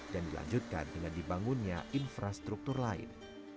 dan dilanjutkan dengan dibangunnya infrastruktur lain